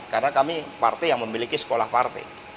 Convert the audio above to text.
karena kami parti yang memiliki sekolah parti